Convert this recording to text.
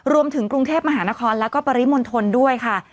รวมถึงกรุงเทพมหานครแล้วก็ปริมณฑลด้วยค่ะ